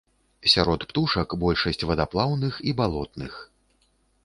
Сярод птушак большасць вадаплаўных і балотных.